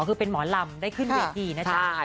คือเป็นหมอลำได้ขึ้นเวทีนะจ๊ะ